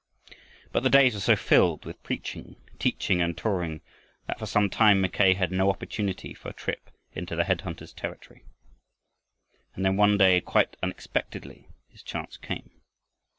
But the days were so filled with preaching, teaching, and touring, that for some time Mackay had no opportunity for a trip into the head hunters' territory. And then one day, quite unexpectedly, his chance came.